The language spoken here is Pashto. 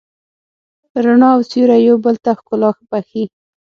رڼا او سیوری یو بل ته ښکلا بښي.